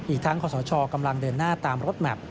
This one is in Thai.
อีกทั้งขอสชกำลังเดินหน้าตามรถแมพ